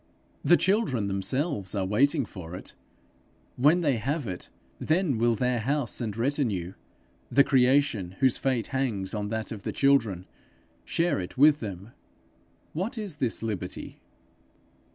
The children themselves are waiting for it: when they have it, then will their house and retinue, the creation, whose fate hangs on that of the children, share it with them: what is this liberty?